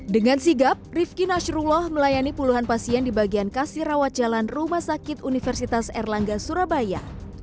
dengan sigap rifki nasrullah melayani puluhan pasien di bagian kasi rawat jalan rumah sakit universitas erlangga surabaya